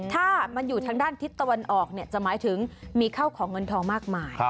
ถ้ามันอยู่ทางด้านทิศตะวันออกเนี่ยจะหมายถึงมีเข้าของเงินทองมากมาย